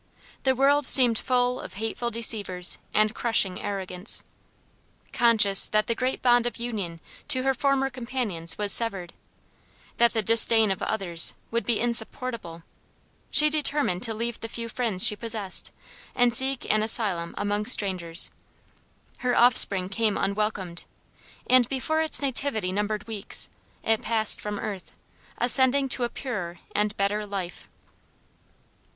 The world seemed full of hateful deceivers and crushing arrogance. Conscious that the great bond of union to her former companions was severed, that the disdain of others would be insupportable, she determined to leave the few friends she possessed, and seek an asylum among strangers. Her offspring came unwelcomed, and before its nativity numbered weeks, it passed from earth, ascending to a purer and better life.